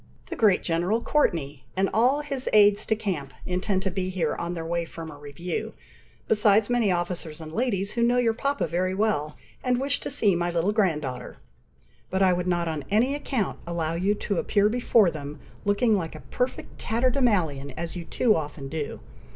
The great General Courteney, and all his Aide de Camps, intend to be here on their way from a review, besides many officers and ladies who know your papa very well, and wish to see my little grand daughter; but I would not on any account allow you to appear before them, looking like a perfect tatterdemalion, as you too often do.